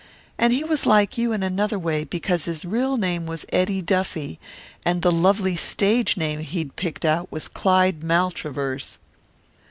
And he was like you in another way because his real name was Eddie Duffy, and the lovely stage name he'd picked out was Clyde Maltravers."